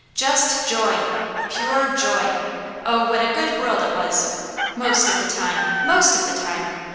Just joy! Pure joy! Oh what a good world it was! most of the time! Most of the time!